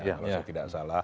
kalau saya tidak salah